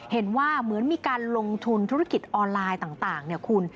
เห็นว่าเหมือนมีการลงทุนธุรกิจออนไลน์ต่างเนี่ยคุณ